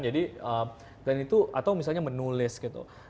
dan itu atau misalnya menulis gitu